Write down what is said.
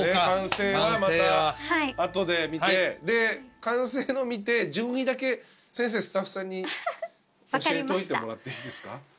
完成はまた後で見てで完成の見て順位だけ先生スタッフさんに教えといてもらっていいですか？